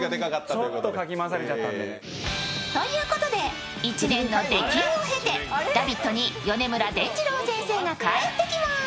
ちょっとかき回されちゃったんでね。ということで１年の出禁を経て「ラヴィット！」に米村でんじろう先生が帰ってきます。